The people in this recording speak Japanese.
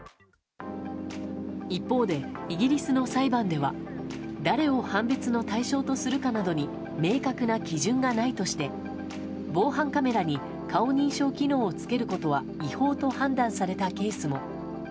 一方で、イギリスの裁判では誰を判別の対象とするかなどに明確な基準がないとして防犯カメラに顔認証機能をつけることは違法と判断されたケースも。